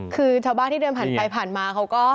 คือชาวบ้านที่เดินผ่านไปผ่านมาเขาก็